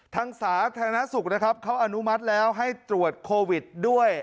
สาธารณสุขนะครับเขาอนุมัติแล้วให้ตรวจโควิดด้วย